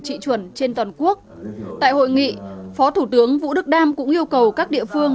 trị chuẩn trên toàn quốc tại hội nghị phó thủ tướng vũ đức đam cũng yêu cầu các địa phương